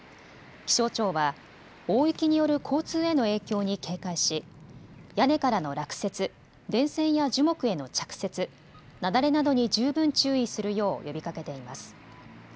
気象庁は大雪による交通への影響に警戒し屋根からの落雪、電線や樹木への着雪、雪崩などに十分注意するよう呼びかけています。